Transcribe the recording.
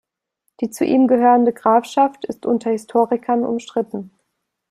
Die zu ihm gehörende Grafschaft ist unter Historikern umstritten.